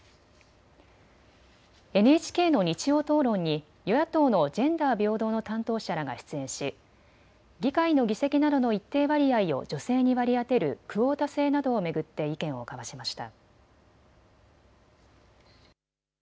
ＮＨＫの日曜討論に与野党のジェンダー平等の担当者らが出演し議会の議席などの一定割合を女性に割り当てるクオータ制などを巡って意見を交わしました。